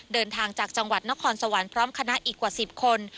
เดินทางจากจังหวัดนครสวรรค์พร้อมคณะอีกกว่า๑๐คน